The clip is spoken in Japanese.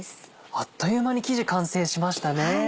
あっという間に生地完成しましたね。